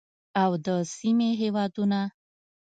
او د سیمې هیوادونه